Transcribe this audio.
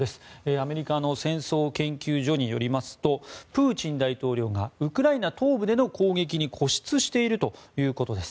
アメリカの戦争研究所によりますとプーチン大統領がウクライナ東部での攻撃に固執しているということです。